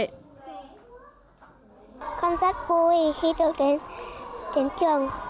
con rất vui khi được đến trường